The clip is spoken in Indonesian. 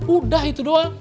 udah itu doang